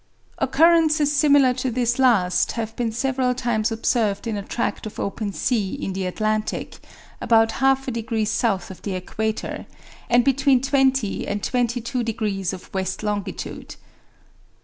Occurrences similar to this last have been several times observed in a tract of open sea in the Atlantic, about half a degree south of the equator, and between 20 and 22 degrees of west longitude.